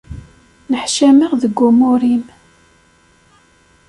Neḥcameɣ deg umur-im.